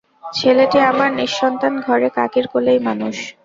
ছেলেটি আমার নিঃসন্তান ঘরে কাকির কোলেই মানুষ।